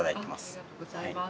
ありがとうございます。